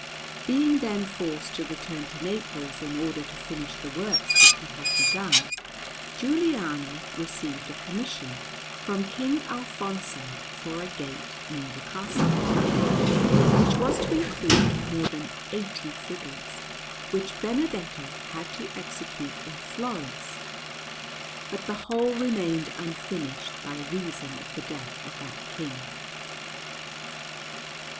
Being then forced to return to Naples in order to finish the works that he had begun, Giuliano received a commission from King Alfonso for a gate near the castle, which was to include more than eighty figures, which Benedetto had to execute in Florence; but the whole remained unfinished by reason of the death of that King.